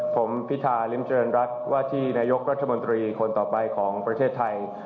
ผมพิธาริมเจริญรัฐว่าที่นายกรัฐมนตรีคนต่อไปของประเทศไทย